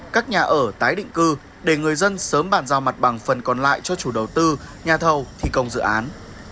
các nhà ở tái định cư để người dân sớm bàn giao mặt bằng phần còn lại cho chủ đầu tư nhà thầu thi công dự án